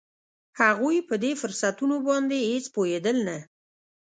هغوی په دې فرصتونو باندې هېڅ پوهېدل نه